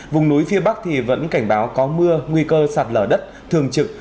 vùng núi phía bắc vẫn cảnh báo có mưa nguy cơ sạt lở đất thường trực